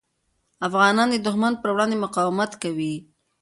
افغانان د دښمن پر وړاندې مقاومت کوي.